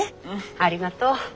ありがとう。